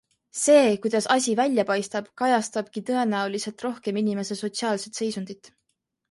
See, kuidas asi välja paistab, kajastabki tõenäoliselt rohkem inimese sotsiaalset seisundit.